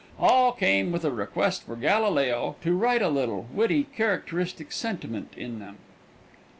All came with a request for Galileo "to write a little, witty, characteristic sentiment in them."